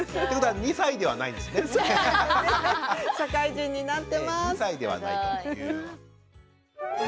２歳ではないという。